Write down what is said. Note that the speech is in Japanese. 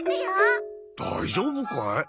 大丈夫かい？